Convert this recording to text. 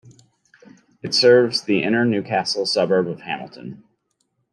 It serves the inner Newcastle suburb of Hamilton.